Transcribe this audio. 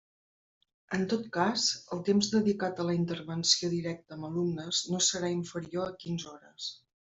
En tot cas, el temps dedicat a la intervenció directa amb alumnes no serà inferior a quinze hores.